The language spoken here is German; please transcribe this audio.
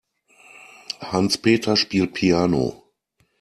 Hans-Peter spielt Piano.